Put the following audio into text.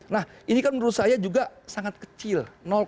nah ini kan menurut saya juga sangat kecil